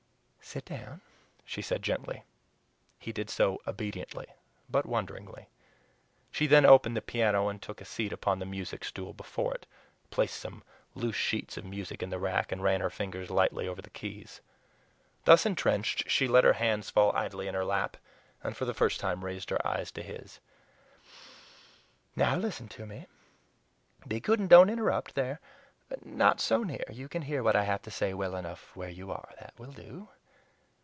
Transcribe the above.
"Sit down," she said gently. He did so obediently, but wonderingly. She then opened the piano and took a seat upon the music stool before it, placed some loose sheets of music in the rack, and ran her fingers lightly over the keys. Thus intrenched, she let her hands fall idly in her lap, and for the first time raised her eyes to his. "Now listen to me be good and don't interrupt! There! not so near; you can hear what I have to say well enough where you are. That will do."